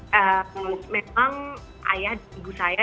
dan saya sebenarnya awalnya sangat jatuh cita sama cerita